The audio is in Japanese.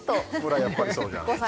やっぱりそうじゃん